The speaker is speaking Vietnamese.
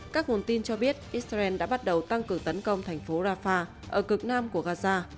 các nguồn tin cho biết israel đã bắt đầu tăng cường tấn công thành phố rafah ở cực nam của gaza